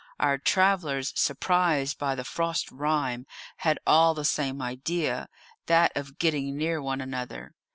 Our travellers, surprised by the frost rime, had all the same idea that of getting near one another.